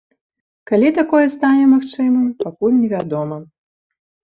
Калі такое стане магчымым, пакуль невядома.